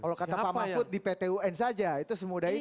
kalau kata pak mahfud di pt un saja itu semudah itu